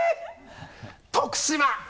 徳島！